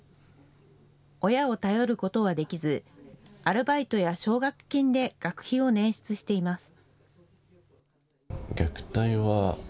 親を頼ることはできずアルバイトや奨学金で学費を捻出しています。